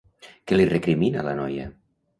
Què li recrimina la noia?